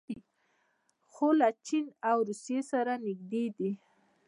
خو له چین او روسیې سره نږدې دي.